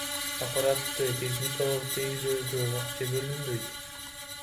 Аппаратты техникалык тейлөөгө акча бөлүнбөйт.